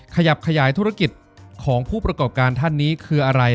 ขยับขยายธุรกิจของผู้ประกอบการท่านนี้คืออะไร